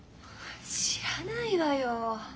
知らないわよ。